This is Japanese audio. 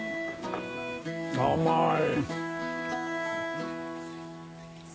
甘い！